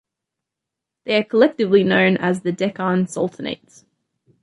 They are collectively known as the "Deccan Sultanates".